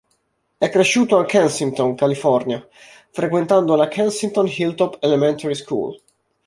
È cresciuto a Kensington, California, frequentando la Kensington Hilltop Elementary School.